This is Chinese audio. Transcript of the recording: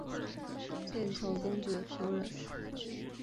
剑桥公爵夫人凯萨琳殿下。